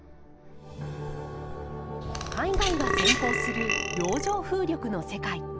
海外が先行する洋上風力の世界。